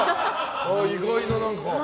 意外な、何か。